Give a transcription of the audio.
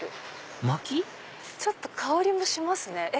ちょっと香りもしますね